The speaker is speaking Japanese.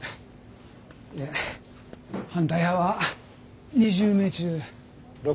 で反対派は２０名中６人で。